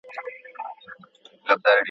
که ته په پنسل لیکل کوې نو په رابر یې پاکولی سې.